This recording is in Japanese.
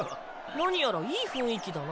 何やらいい雰囲気だな。